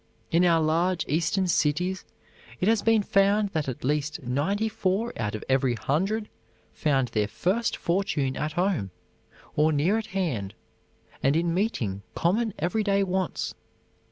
In our large Eastern cities it has been found that at least ninety four out of every hundred found their first fortune at home, or near at hand, and in meeting common every day wants.